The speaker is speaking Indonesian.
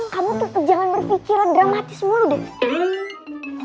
kamu tetep jangan berpikirnya dramatis mulu deh